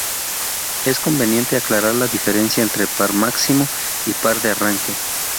Es conveniente aclarar la diferencia entre par máximo y par de arranque.